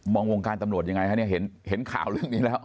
มองวงการตำรวจยังไงทำไมเห็นข่าวเรื่องนี้แล้ว